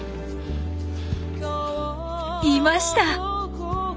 いました！